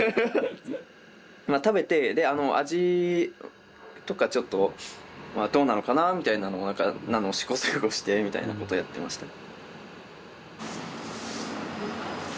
まあ食べて味とかちょっとどうなのかなみたいなのを試行錯誤してみたいなことをやってましたね。